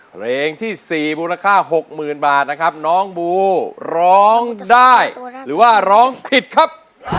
เพลงที่๔มูลค่า๖๐๐๐บาทนะครับน้องบูร้องได้หรือว่าร้องผิดครับ